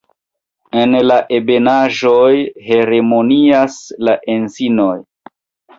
En la ebenaĵoj hegemonias la anzinoj.